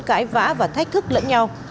cãi vã và thách thức lẫn nhau